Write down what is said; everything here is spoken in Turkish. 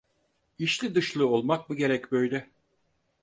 İçli dışlı olmak mı gerek böyle?